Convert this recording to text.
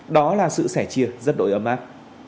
đó là sự sẻ chia rất đội âm áp